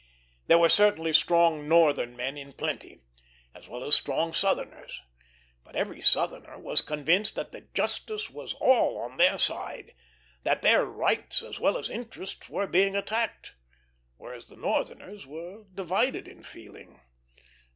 There were certainly strong Northern men in plenty, as well as strong Southerners; but every Southerner was convinced that the justice was all on their side, that their rights as well as interests were being attacked, whereas the Northerners were divided in feeling.